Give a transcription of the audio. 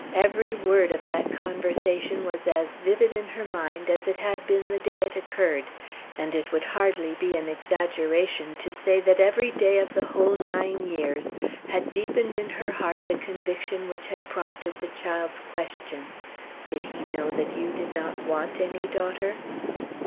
Every word of that conversation was as vivid in her mind as it had been the day it occurred; and it would hardly be an exaggeration to say that during every day of the whole nine years had deepened in her heart the conviction which had prompted the child's question, "Did he know that you did not want any daughter?"